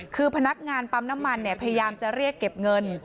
คือพนักงานปั๊มน้ำมันพยายามจะเรียกเก็บเงิน